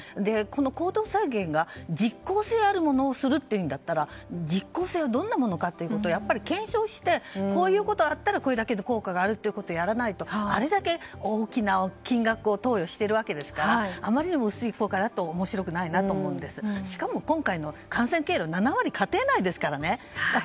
行動制限が実効性のあるものをするっていう意味だったら実効性はどんなものかを検証してこういうことがあったらこれだけの効果があるということをやらないとあれだけ大きな金額を投与していますからあまりにも薄い効果だと面白くないなと思いますししかも、今回の感染経路の７割が家庭内ですからね。